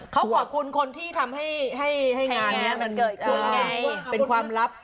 เขาขอบคุณคนที่ทำให้งานนี้มันเกิดขึ้นเป็นความลับ